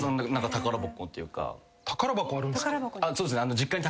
宝箱あるんすか？